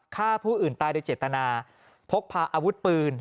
ฆ่าผู้อื่นตายโดยเจตนาพกพาอาวุธปืน